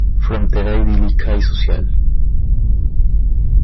Frontera idílica y social".